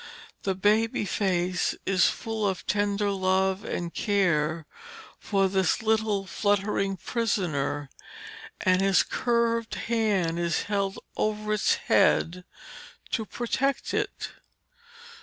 The baby face is full of tender love and care for the little fluttering prisoner, and His curved hand is held over its head to protect it.